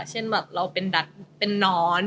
เช่นแบบเราเป็นดักเป็นนอน